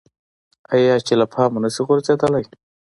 آیا چې له پامه نشي غورځیدلی؟